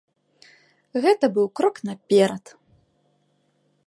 Гэта быў крок наперад.